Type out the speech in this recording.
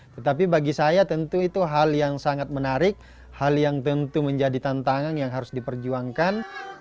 tetapi bagi saya tentu itu hal yang sangat menarik hal yang tentu menjadi tantangan yang harus diperjuangkan